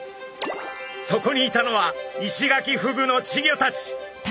そこにいたのはイシガキフグの稚魚たち。